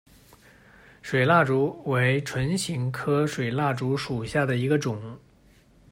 水蜡烛为唇形科水蜡烛属下的一个种。